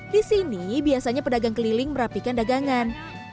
di sini biasanya pedagang keliling merapikan dagangan